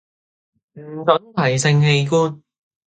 唔准提性器官